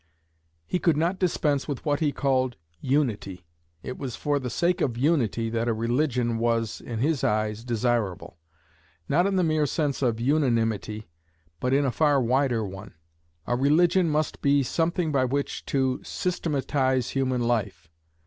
He could not dispense with what he called "unity." It was for the sake of Unity that a religion was, in his eyes, desirable. Not in the mere sense of Unanimity, but in a far wider one. A religion must be something by which to "systematize" human life.